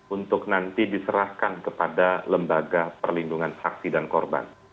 untuk nanti diserahkan kepada lembaga perlindungan saksi dan korban